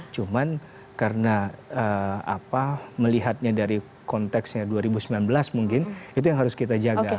cuman karena melihatnya dari konteksnya dua ribu sembilan belas mungkin itu yang harus kita jaga